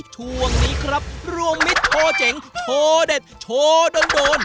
ช่วงนี้ครับรวมมิตรโชว์เจ๋งโชว์เด็ดโชว์โดน